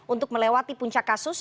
untuk melewati puncak kasus